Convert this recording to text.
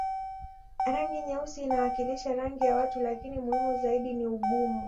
Rangi nyeusi inawakilisha rangi ya watu lakini muhimu zaidi ni ugumu